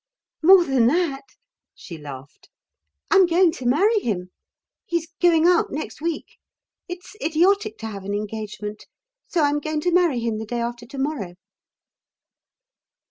"More than that," she laughed. "I'm going to marry him. He's going out next week. It's idiotic to have an engagement. So I'm going to marry him the day after to morrow."